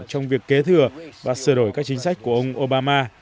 trong việc kế thừa và sửa đổi các chính sách của ông obama